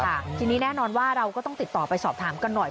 ทีนี้แน่นอนว่าเราก็ต้องติดต่อไปสอบถามกันหน่อย